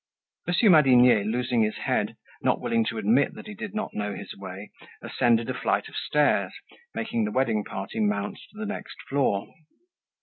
Monsieur Madinier, losing his head, not willing to admit that he did not know his way, ascended a flight of stairs, making the wedding party mount to the next floor.